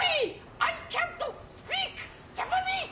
アイキャントスピークジャパニーズ！